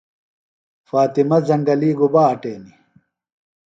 فاطمہ زنگلیۡ گُبا اٹینیۡ؟